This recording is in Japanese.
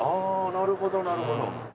なるほどなるほど。